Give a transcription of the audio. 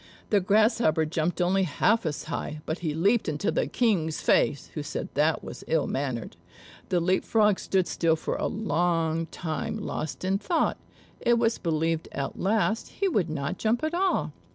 The Grasshopper jumped only half as high; but he leaped into the King's face, who said that was ill mannered. The Leap frog stood still for a long time lost in thought; it was believed at last he would not jump at all.